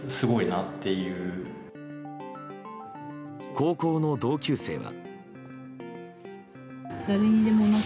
高校の同級生は。